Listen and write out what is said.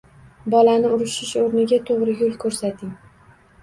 Bolani urushish o‘rniga to‘g‘ri yo‘l ko‘rsating